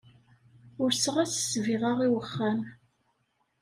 Ulseɣ-as ssbiɣa i wexxam.